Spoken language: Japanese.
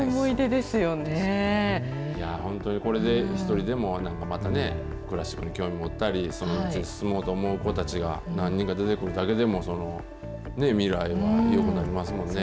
本当にこれで１人でもなんかまたね、クラシックに興味持ったり、その道に進もうと思う子たちが、何人か出てくるだけでも、未来はよくなりますもんね。